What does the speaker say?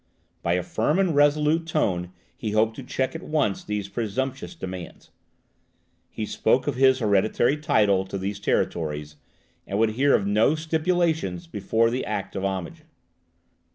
By a firm and resolute tone he hoped to check, at once, these presumptuous demands. He spoke of his hereditary title to these territories, and would hear of no stipulations before the act of homage.